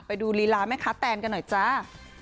ไปดูลีลาแม่ค้าแตนกันหน่อยจ้า